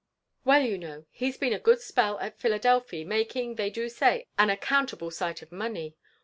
Welt, you know, he's been a good spell at Phila delphy, making, they do say, an accountable sight of money.